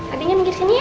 abinya tinggi sini ya